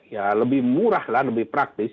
ya lebih murah lah lebih praktis